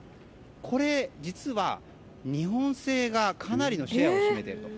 これ実は、日本製がかなりのシェアを占めているつ。